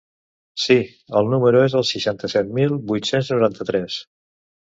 Sí, el número és el seixanta-set mil vuit-cents noranta-tres.